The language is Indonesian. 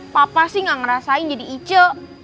papa sih gak ngerasain jadi ice